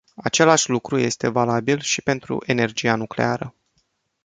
Același lucru este valabil și pentru energia nucleară.